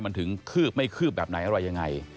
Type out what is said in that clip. มันถึงคืบไม่คืบแบบไหนอะไรยังไง